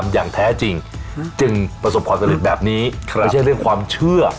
ไม่ใช่เรื่องความเชื่อ